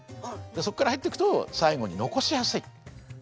そこから入っていくと最後に残しやすい。